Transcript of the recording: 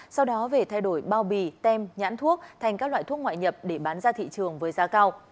sau đó về thay đổi bao bì tem nhãn thuốc thành các loại thuốc ngoại nhập để bán ra thị trường với giá cao